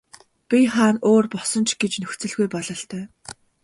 Бие хаа нь өөр болсон ч гэж нөхцөлгүй бололтой.